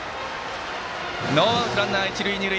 ノーアウトランナー、一塁二塁。